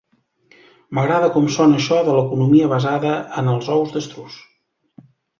M'agrada com sona això de l'economia basada en els ous d'estruç.